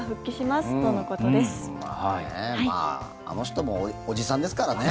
まあ、あの人もおじさんですからね。